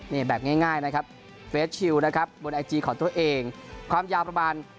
นี่แบบง่ายง่ายนะครับนะครับบนของตัวเองความยาวประมาณ